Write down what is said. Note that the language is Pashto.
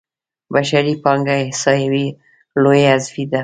بشري پانګه احصایو لویه حذفي ده.